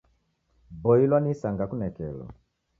Boilwa ni isanga kunekelo